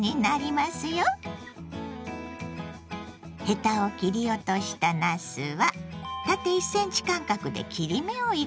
ヘタを切り落としたなすは縦１ｃｍ間隔で切り目を入れます。